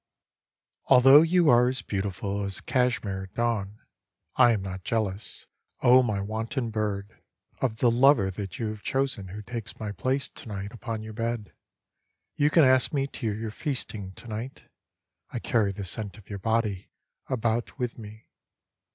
ALTHOUGH you are as beautiful as Kashmir at dawn I am not jealous, O my wanton bird. Of the lover that you have chosen, who takes my place To'night upon your bed. You can ask me to your feasting to night. I carry the scent of your body about with me.